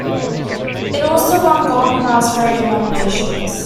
It also won Golden Raspberry nominations.